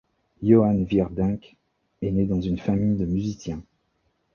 Johann Vierdanck est né dans une famille de musiciens.